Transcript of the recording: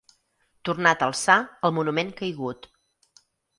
Tornat a alçar, el monument caigut.